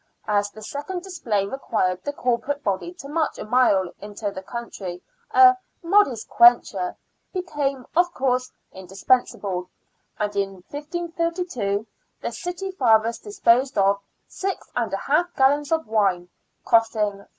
As the second display required the corporate body to march a mile into the country, a " modest quencher " became, of course, indispensable, and in 1532 the city fathers disposed of six and a half gallons of wine, costing 5s.